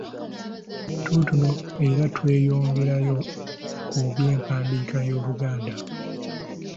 Tuutuno era tweyongerayo ku by’empandiika y’Oluganda.